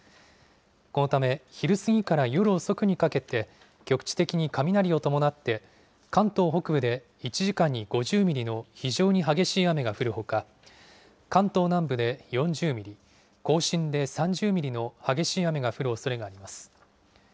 このため昼過ぎから夜遅くにかけて、局地的に雷を伴って、関東北部で１時間に５０ミリの非常に激しい雨が降るほか、関東南部で４０ミリ、甲信で３０ミリの激しい雨が降るおそれがあります。